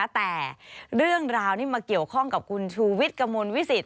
แต่เรื่องราวนี้มาเกี่ยวข้องกับคุณชูวิทย์กระมวลวิสิต